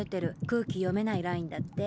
空気読めないラインだって。